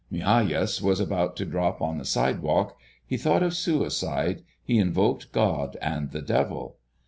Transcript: Migajas was about to drop on the sidewalk. He thought of suicide; he invoked God and the Devil.